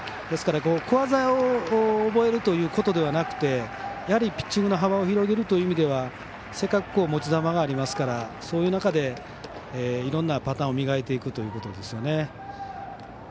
ですから、小技を覚えるということではなくてやはりピッチングの幅を広げるという意味ではせっかく持ち球がありますからいろんなパターンを磨いていくということですよね。